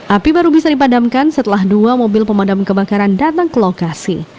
api baru bisa dipadamkan setelah dua mobil pemadam kebakaran datang ke lokasi